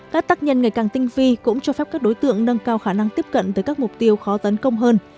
các tác nhân ngày càng tinh vi cũng cho phép các đối tượng nâng cao khả năng tiếp cận tới các mục tiêu khó tấn công hơn